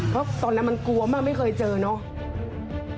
เพราะตอนนั้นมันกลัวมากไม่เคยเจอเนาะ